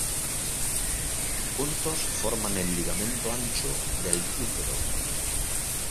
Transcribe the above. Juntos forman el ligamento ancho del útero..."